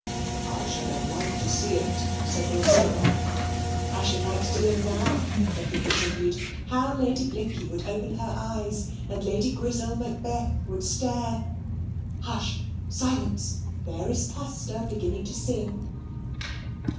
"I should have liked to see it," said Lord Steyne. "I should like to do it now," Becky continued. "How Lady Blinkey would open her eyes, and Lady Grizzel Macbeth would stare! Hush! silence! there is Pasta beginning to sing."